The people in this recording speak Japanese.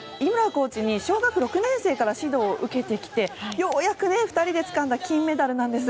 コーチに小学６年生から指導を受けてきてようやく２人でつかんだ金メダルなんです。